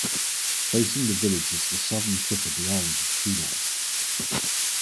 Facing the village is the southern tip of the island of Kunoy.